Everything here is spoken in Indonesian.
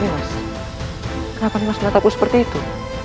mas kenapa mas melihat aku seperti itu